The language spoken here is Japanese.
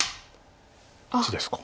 こっちですか。